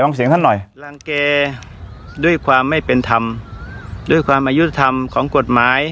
ฟังเสียงท่านหน่อยรังแก่ด้วยความไม่เป็นธรรมด้วยความอายุธรรมของกฎหมาย